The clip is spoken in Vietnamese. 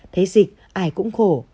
thế dịch ai cũng khổ